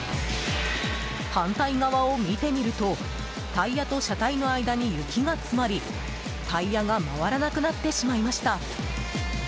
反対側を見てみるとタイヤと車体の間に雪が詰まりタイヤが回らなくなってしまいました。